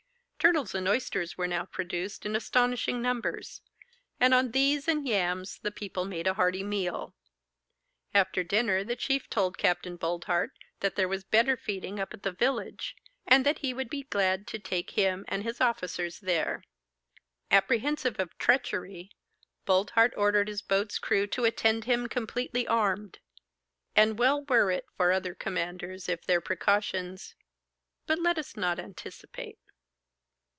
Turtles and oysters were now produced in astonishing numbers; and on these and yams the people made a hearty meal. After dinner the chief told Capt. Boldheart that there was better feeding up at the village, and that he would be glad to take him and his officers there. Apprehensive of treachery, Boldheart ordered his boat's crew to attend him completely armed. And well were it for other commanders if their precautions—but let us not anticipate.